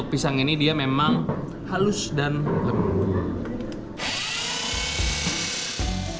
karena pisang ini dia memang halus dan lembut